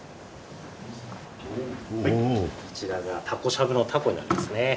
はいこちらがタコしゃぶのタコになりますね。